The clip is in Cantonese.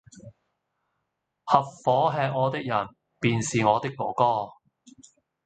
合夥喫我的人，便是我的哥哥！